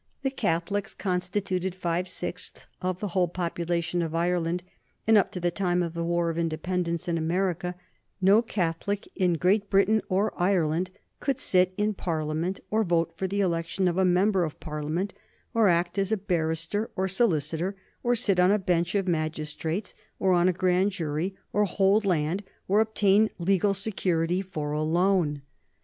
The Catholics constituted five sixths of the whole population of Ireland, and up to the time of the War of Independence in America no Catholic in Great Britain or Ireland could sit in Parliament, or vote for the election of a member of Parliament, or act as a barrister or solicitor, or sit on a bench of magistrates or on a grand jury, or hold land, or obtain legal security for a loan.